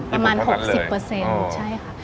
ประมาณ๖๐ใช่ค่ะ